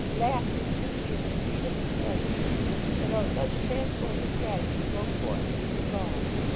Laughter through tears greeted these pleasantries; and oh, such transports of gratitude broke forth when he was gone!